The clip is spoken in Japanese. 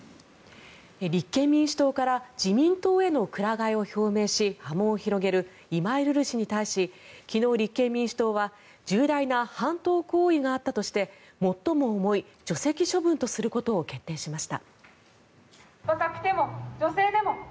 立憲民主党から自民党へのくら替えを表明し波紋を広げる今井瑠々氏に対し昨日、立憲民主党は重大な反党行為があったとして最も重い除籍処分とすることを決定しました。